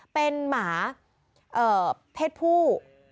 เป็นหมาเพศผู้